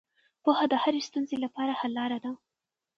پوهه د هرې ستونزې لپاره حل لاره ده.